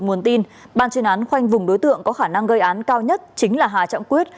nguồn tin ban chuyên án khoanh vùng đối tượng có khả năng gây án cao nhất chính là hà trọng quyết